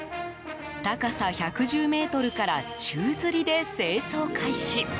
高さ１１０ｍから宙づりで清掃開始。